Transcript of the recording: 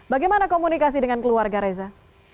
bagaimana komunikasi dengan keluarga reza